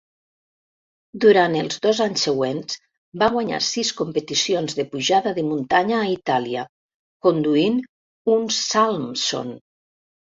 Durant els dos anys següents va guanyar sis competicions de pujada de muntanya a Itàlia conduint un Salmson.